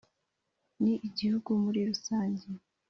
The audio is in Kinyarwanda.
Ni gihugu muri rusange,